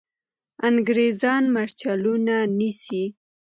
انګریزان مرچلونه نیسي.